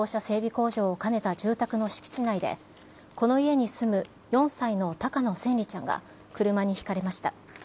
工場を兼ねた住宅の敷地内で、この家に住む４歳の高野千椋ちゃんが車にひかれました。